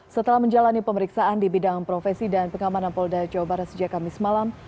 setelah menjalani pemeriksaan di bidang profesi dan pengamanan polda jawa barat sejak kamis malam